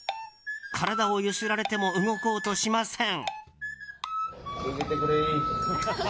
体を揺すられても動こうとしません。